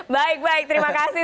baik baik terima kasih